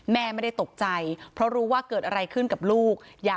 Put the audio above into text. หลวดมีการขออายัดอะไรไว้บ้างมั้ยคะ